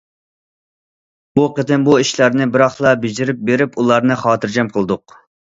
بۇ قېتىم بۇ ئىشلارنى بىراقلا بېجىرىپ بېرىپ، ئۇلارنى خاتىرجەم قىلدۇق.